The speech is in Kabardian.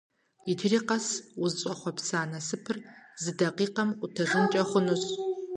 Иджыри къэс узыщӀэхъуэпса насыпыр зы дакъикъэм къутэжынкӀэ хъунущ.